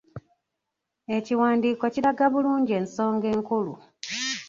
Ekiwandiiko kiraga bulungi ensonga enkulu.